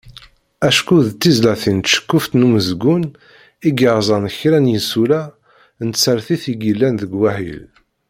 Acku d tizlatin d tceqquft n umezgun i yerẓan kra n yisula n tsertit i yellan deg wahil.